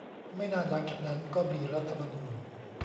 ไม่นานหลังจากนั้นก็มีรัฐธรรมนูญ